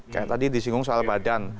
kayak tadi disinggung soal badan